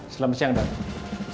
selamat siang pak